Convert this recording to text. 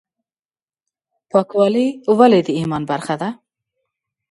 پاکوالی ولې د ایمان برخه ده؟